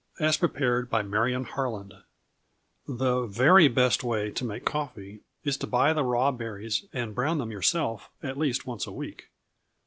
As Prepared by Marion Harland. THE very best way to make coffee is to buy the raw berries and brown them yourself, at least once a week.